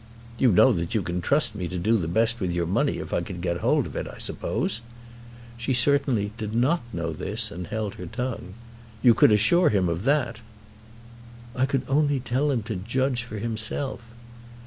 "You know that you can trust me to do the best with your money if I could get hold of it, I suppose?" She certainly did not know this, and held her tongue. "You could assure him of that?" "I could only tell him to judge for himself."